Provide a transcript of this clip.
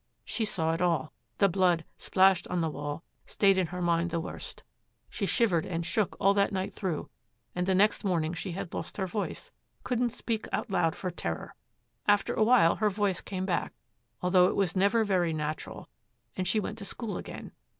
She saw it all; the blood splashed on the wall stayed in her mind the worst; she shivered and shook all that night through, and the next morning she had lost her voice, couldn't speak out loud for terror. After a while her voice came back, although it was never very natural, and she went to school again.